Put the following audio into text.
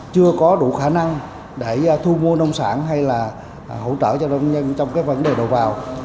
chưa có đủ khả năng để thu mua nông sản hay là hỗ trợ cho nông nhân trong cái vấn đề đầu vào